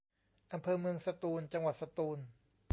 อำเภอเมืองสตูล จังหวัดสตูล